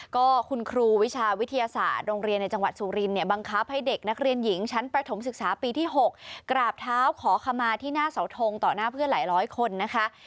ก็คุณครูวิชาวิทยาศาสตร์โรงเรียนในจังหวัดสุรินเนี่ยบังคับให้เด็กนักเรียนหญิงชั้นประถมศึกษาปีที่๖กราบเท้าขอขมาที่หน้าเสาทงต่อหน้าเพื่อนหลายร้อยคนนะคะ